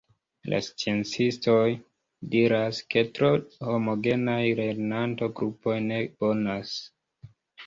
La sciencistoj diras, ke tro homogenaj lernanto-grupoj ne bonas.